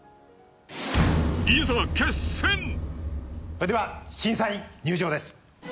いざでは審査員入場です。